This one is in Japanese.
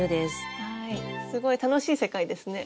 すごい楽しい世界ですね。